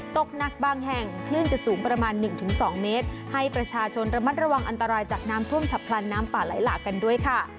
ตกหนักบางแห่งคลื่นจะสูงประมาณ๑๒เมตรให้ประชาชนระมัดระวังอันตรายจากน้ำท่วมฉับพลันน้ำป่าไหลหลากกันด้วยค่ะ